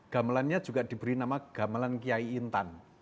gamelannya juga diberi nama gamelan kiai intan